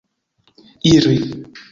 iri